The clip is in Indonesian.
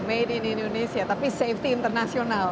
made in indonesia tapi safety international